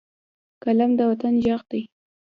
قلم د وطن غږ دی